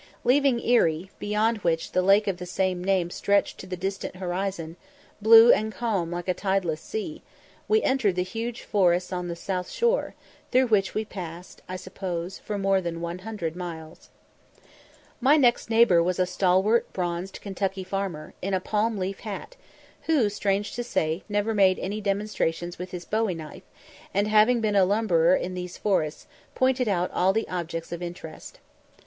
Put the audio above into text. Leaving Erie, beyond which the lake of the same name stretched to the distant horizon, blue and calm like a tideless sea, we entered the huge forests on the south shore, through which we passed, I suppose, for more than 100 miles. My next neighbour was a stalwart, bronzed Kentucky farmer, in a palm leaf hat, who, strange to say, never made any demonstrations with his bowie knife, and, having been a lumberer in these forests, pointed out all the objects of interest.